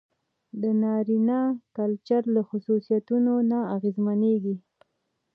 د نارينه کلچر له خصوصيتونو نه اغېزمنېږي.